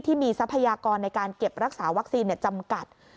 ทรัพยากรในการเก็บรักษาวัคซีนจำกัด